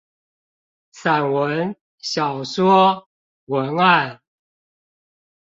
散文、小說、文案